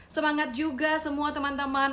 semangat juga semua teman teman